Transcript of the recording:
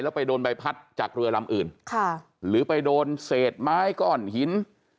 ไปโดนใบพัดจากเรือลำอื่นค่ะหรือไปโดนเศษไม้ก้อนหิน